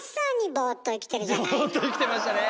ボーっと生きてましたね。